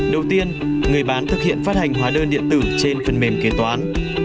đầu tiên người bán thực hiện phát hành hóa đơn điện tử trên phần mềm kế toán